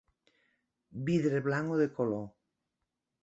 Vidre blanc o de color.